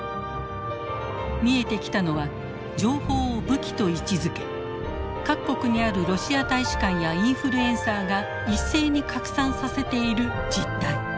見えてきたのは情報を武器と位置づけ各国にあるロシア大使館やインフルエンサーが一斉に拡散させている実態。